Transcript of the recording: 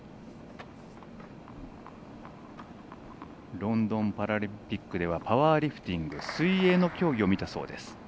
ロンドンパラリンピックではパワーリフティング、水泳の競技を見たそうです。